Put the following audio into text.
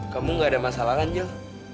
kamu nggak ada masalah kan jel